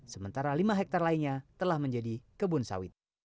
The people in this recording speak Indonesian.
sementara lima hektare lainnya telah menjadi kebun sawit